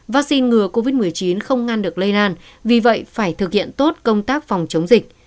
vaccine ngừa covid một mươi chín không ngăn được lây lan vì vậy phải thực hiện tốt công tác phòng chống dịch